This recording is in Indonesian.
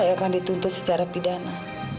akan dituntut secara pidana